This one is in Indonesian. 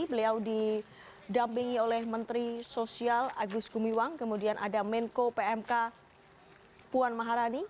beliau didampingi oleh menteri sosial agus gumiwang kemudian ada menko pmk puan maharani